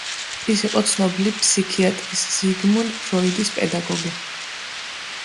ის იყო ცნობილი ფსიქიატრის, ზიგმუნდ ფროიდის პედაგოგი.